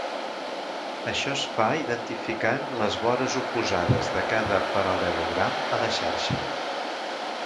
Això es fa identificant les vores oposades de cada paral·lelogram a la xarxa.